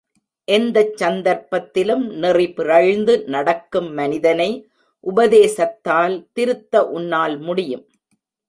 எந்தச் சந்தர்ப்பத்திலும், நெறிபிறழ்ந்து நடக்கும் மனிதனை உபதேசத்தால் திருத்த உன்னால் முடியும்.